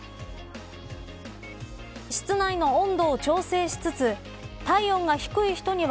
室内の温度を調整しつつ体温が低い人には